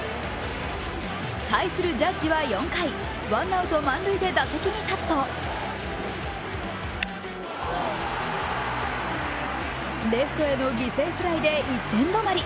対するジャッジは４回ワンアウト満塁で打席に立つとレフトへの犠牲フライで１点止まり。